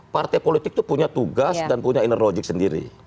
partai politik itu punya tugas dan punya inner logik sendiri